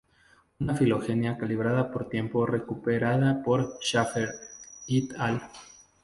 Una filogenia calibrada por tiempo recuperada por Shaffer "et al.